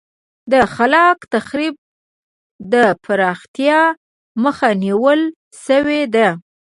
د خلاق تخریب د پراختیا مخه نیول شوې ده.